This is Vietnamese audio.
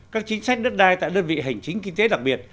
các chính sách đất đai tại đơn vị hành chính kinh tế đặc biệt